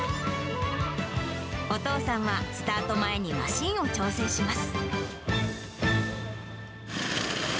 お父さんは、スタート前にマシンを調整します。